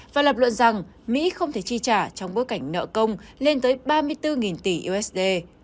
và lập luận rằng mỹ không thể chi trả trong bối cảnh nợ công lên tới ba mươi bốn tỷ usd